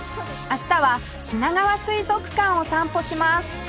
明日はしながわ水族館を散歩します